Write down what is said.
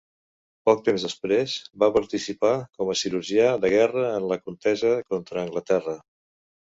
Poc temps després, va participar com a cirurgià de guerra en la contesa contra Anglaterra.